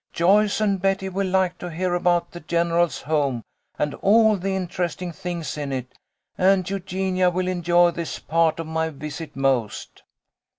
"Joyce and Betty will like to hear about the general's home and all the interesting things in it, and Eugenia will enjoy this part of my visit most."